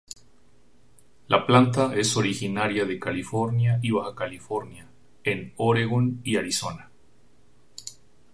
La planta es originaria de California y Baja California, en Oregon y Arizona.